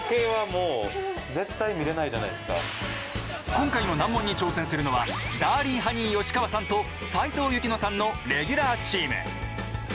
今回の難問に挑戦するのはダーリンハニー吉川さんと斉藤雪乃さんのレギュラーチーム。